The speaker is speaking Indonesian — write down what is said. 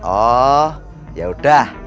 oh ya udah